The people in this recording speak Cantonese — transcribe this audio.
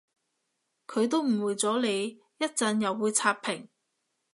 佢都誤會咗你，一陣又會刷屏